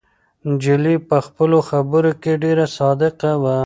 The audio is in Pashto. نجلۍ په خپلو خبرو کې ډېره صادقه وه.